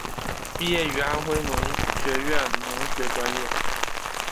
毕业于安徽农学院农学专业。